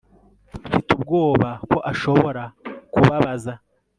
Mfite ubwoba ko ashobora kubabaza